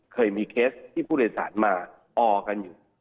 เคยมีเคสที่ผู้โดยสารมาออกันอยู่